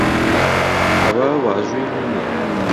ئەوە واژووی من نییە.